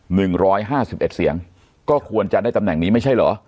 หนึ่งร้อยห้าสิบเอ็ดเสียงก็ควรจะได้ตำแหน่งนี้ไม่ใช่เหรอ